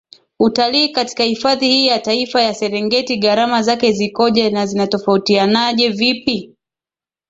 utalii katika hifadhi hii ya Taifa ya Serengeti Gharama zake zikoje na zinatofatianaje vipi